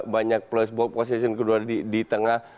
banyak place ball position kedua di tengah